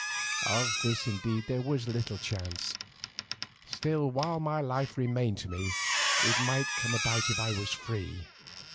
Of this, indeed, there was little chance, still, while my life remained to me, it might come about if I was free.